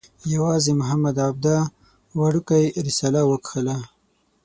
یوازې محمد عبده وړکۍ رساله وکښله.